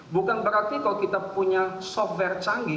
bukan berarti kalau kita punya software canggih